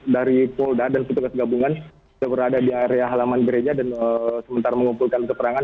dari polda dan petugas gabungan sudah berada di area halaman gereja dan sementara mengumpulkan keterangan